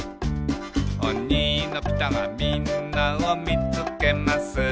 「おにのピタがみんなをみつけます」